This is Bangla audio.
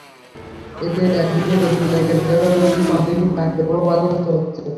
এতে একদিকে নদীর জায়গা বেদখল হয়ে গেছে, অন্যদিকে পানিপ্রবাহ বাধাগ্রস্ত হচ্ছে।